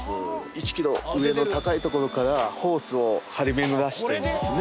１ｋｍ上の高いところからホースを張り巡らせてるんですね